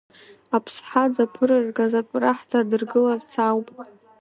Аԥсҳа дзаԥырыргаз атәра ҳҭадыргыларц ауп ҳәа.